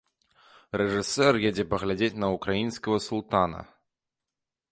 Рэжысёр едзе паглядзець на ўкраінскага султана.